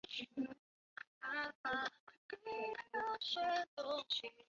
有些宗教仪式中还有对男性割礼的习俗。